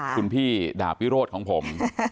คุณพี่ดาบวิโรธของผม